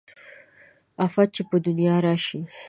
افت چې په دنيا راشي